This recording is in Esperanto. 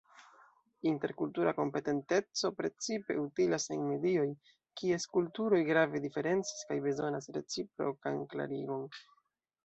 Interkultura kompetenteco precipe utilas en medioj, kies kulturoj grave diferencas kaj bezonas reciprokan klarigon.